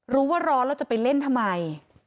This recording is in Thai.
รู้ว่าร้อนแล้วจะไปเล่นทำไม